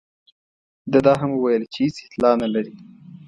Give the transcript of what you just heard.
ده دا هم وویل چې هېڅ اطلاع نه لري.